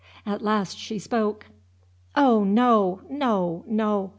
At last she spoke. "Oh, no, no, no!